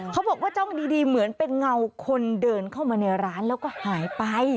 เขาบอกว่าจ้องดีเหมือนเป็นเงาคนเดินเข้ามาในร้านแล้วก็หายไป